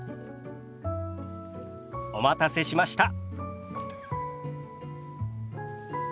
お待たせしました。